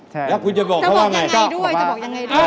แล้วคุณจะบอกยังไงด้วย